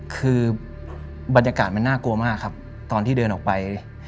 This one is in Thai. คือบรรยากาศมันน่ากลัวมากครับตอนที่เดินออกไป